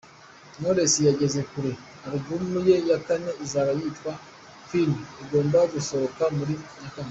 Knowless ageze kure album ye ya kane izaba yitwa Queens igomba gusohoka muri Nyakanga.